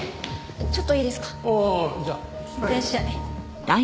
いってらっしゃい。